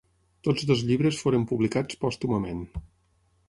Tots dos llibres foren publicats pòstumament.